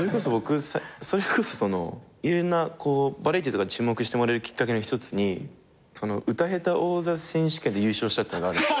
それこそ僕バラエティとか注目してもらえるきっかけの一つに歌へた王座選手権で優勝したっていうのがあるんです。